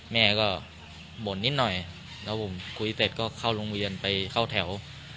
แม่ก็บ่นนิดหน่อยแล้วผมคุยเสร็จก็เข้าโรงเรียนไปเข้าแถว